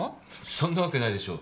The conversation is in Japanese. そんなわけないでしょう。